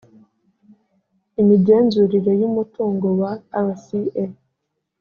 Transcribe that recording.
imigenzurire y’umutungo wa rca